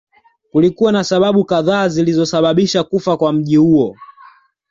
Kulikuwa na sababu kadhaa zilizosababisha kufa kwa mji huo